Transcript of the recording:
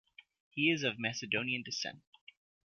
He is of Macedonian descent.